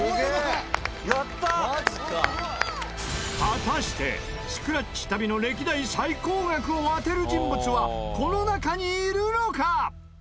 果たしてスクラッチ旅の歴代最高額を当てる人物はこの中にいるのか！？